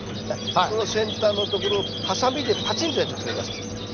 その先端のところをハサミでパチンとやってとります。